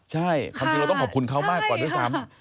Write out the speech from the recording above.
ใช่ความจริงเราต้องขอบคุณเขามากกว่าด้วยซ้ำ